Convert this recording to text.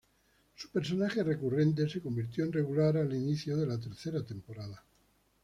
Su personaje recurrente se convirtió en regular al inicio de la tercera temporada.